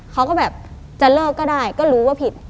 เขาก็แบบจะเลิกก็ได้ก็รู้ว่าผิด